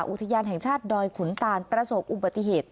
อุทยานแห่งชาติดอยขุนตานประสบอุบัติเหตุ